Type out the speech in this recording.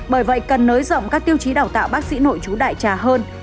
bởi vậy cần nới rộng các tiêu chí đào tạo bác sĩ nội chú đại trà hơn